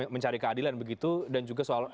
mencari keadilan begitu dan juga soal